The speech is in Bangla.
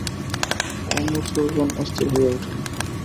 অনুচরগণ অস্থির হইয়া উঠিল।